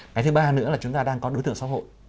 cái thứ ba nữa là chúng ta đang có đối tượng xã hội